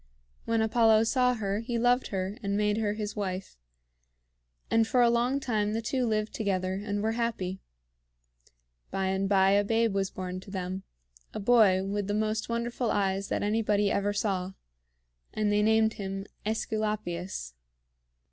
When Apollo saw her, he loved her and made her his wife; and for a long time the two lived together, and were happy. By and by a babe was born to them, a boy with the most wonderful eyes that anybody ever saw, and they named him AEsculapius.